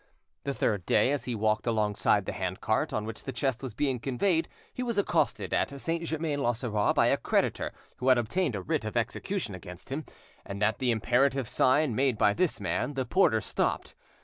The third day, as he walked alongside the handcart on which the chest was being conveyed, he was accosted at Saint Germain l'Auxerrois by a creditor who had obtained a writ of execution against him, and at the imperative sign made by this man the porter stopped.